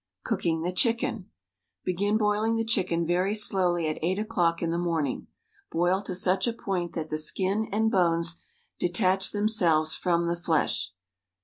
Cooking the chicken: Begin boiling the chicken very slowly at eight o'clock in the morning. Boil to such a WRITTEN FOR MEN BY MEN point that the skin and bones detach themselves from the flesh.